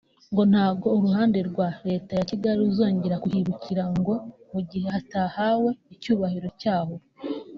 ngo ntabwo uruhande rwa Leta ya Kigali ruzongera kuhibukira ngo mu gihe hatahawe icyubahiro cyaho